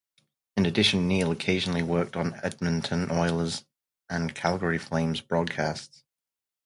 In addition, Neale occasionally worked on Edmonton Oilers and Calgary Flames broadcasts.